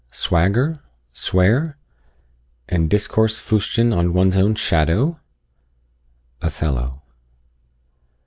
swagger? Swear? and discourse fustian with one's own shadow? Othello.